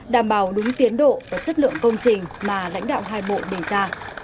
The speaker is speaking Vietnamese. đảm bảo đúng tiến độ và chất lượng công trình mà lãnh đạo hai bộ đề ra